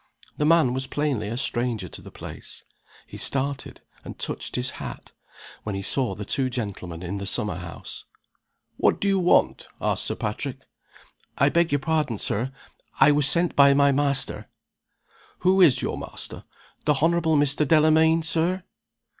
The man was plainly a stranger to the place. He started, and touched his hat, when he saw the two gentlemen in the summer house. "What do you want?" asked Sir Patrick "I beg your pardon, Sir; I was sent by my master " "Who is your master?" "The Honorable Mr. Delamayn, Sir."